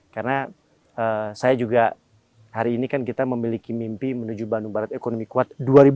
karena saya juga hari ini kan kita memiliki mimpi menuju bandung barat ekonomi kuat dua ribu tiga puluh